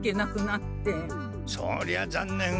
そりゃざんねん。